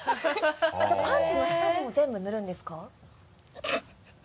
じゃあパンツの下にも全部塗るんですか？